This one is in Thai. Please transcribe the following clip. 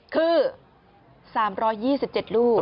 คือ๓๒๗ลูก